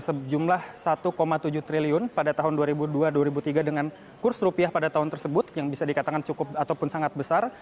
sejumlah satu tujuh triliun pada tahun dua ribu dua dua ribu tiga dengan kurs rupiah pada tahun tersebut yang bisa dikatakan cukup ataupun sangat besar